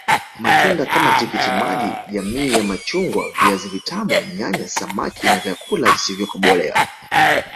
Matunda kama tikiti maji jamii ya machungwa viazi vitamu nyanya samaki na vyakula visivyokobolewa